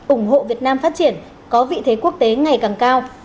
ủng hộ việt nam phát triển có vị thế quốc tế ngày càng cao